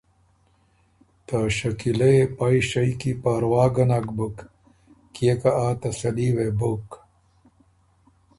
ته شکیلۀ يې پئ شئ کی پاروا ګۀ نک بُک کيې که آ تسلي وې بُک